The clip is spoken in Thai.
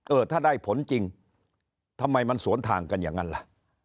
เออถ้าได้ผลจริงทำไมมันสวนทางกันอย่างนั้นล่ะ